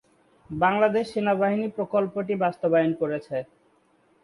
বাংলাদেশ সেনাবাহিনী প্রকল্পটি বাস্তবায়ন করছে।